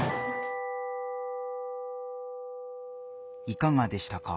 いかがでしたか？